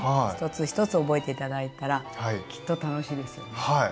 一つ一つ覚えて頂いたらきっと楽しいですよね。